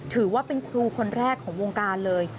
ถือว่าเป็นครูคนแรกของวงการเลย